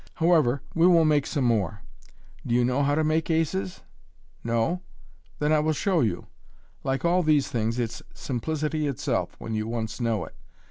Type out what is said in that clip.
How ever, we will make some more. Do you know how to make aces ? No ? Then I will show you. Like all these things, it's simplicity itself, when you once know it.